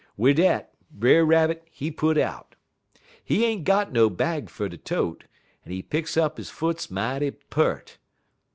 "Wid dat, Brer Rabbit, he put out. He ain't got no bag fer ter tote, en he pick up he foots mighty peart.